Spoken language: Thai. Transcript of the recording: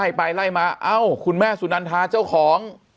ไปไล่มาเอ้าคุณแม่สุนันทาเจ้าของ